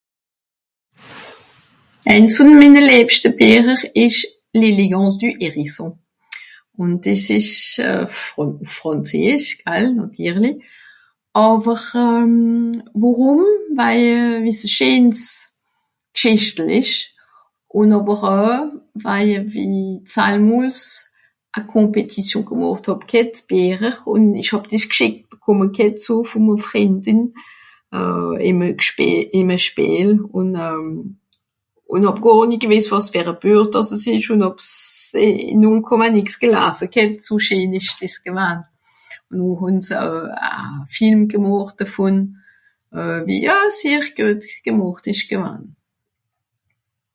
"eins von minne lebschte Biecher esch ""L'élégance du hérisson"" un des esch euh Fran Frànzeesch gal nàtìrli awer euh wàrum weil wie sie scheen's G'sìchtle esch un nur awer au waie wie z'ahlmols a compétition gemàcht hàb g'hett ... un esch hàb des g'schickt bekomme g'hett so vom a Frìnden euh im a spiel un hàb gàr ni gewìsst was ver a buech das es esch un habs in .... nichts gelase kennt zu scheen esch des gewann o hàn se a Film gemàcht dàvon euhh wie a sehr guet gemàcht esch gewann"